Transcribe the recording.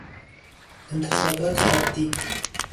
انتخابات عادی